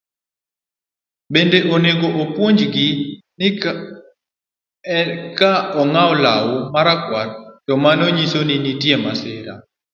Bende onego opuonjgi ni ka ogaw law makwar to mano nyiso ni nitie masira